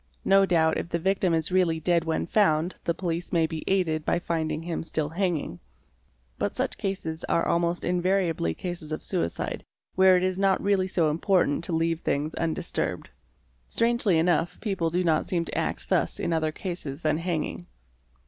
No doubt if the victim is really dead when found the police may be aided by finding him still hanging. But such cases are almost invariably cases of suicide where it is not really so important to leave things undisturbed. Strangely enough people do not seem to act thus in other cases than hanging.